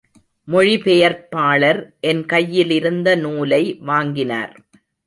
மொழிபெயர்ப்பாளர் என் கையிலிருந்த நூலை வாங்கினார்.